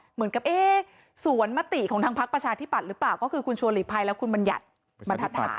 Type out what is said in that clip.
เหมือนกับเอ๊ะสวนมติของทางพักประชาธิบัตย์หรือเปล่าก็คือคุณชัวร์หลีกภัยและคุณบัญญัติบรรทัศน์